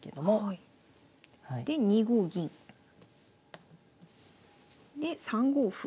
で２五銀。で３五歩。